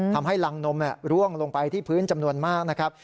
ทำให้รังนมร่วงลงไปที่พื้นจำนวนมากนะครับ